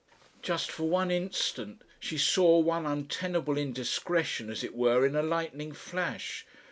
Just for one instant she saw one untenable indiscretion as it were in a lightning flash.